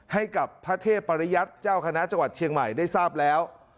ให้กับพระเทพปริยัติเจ้าคณะจังหวัดเชียงใหม่ได้ทราบแล้ว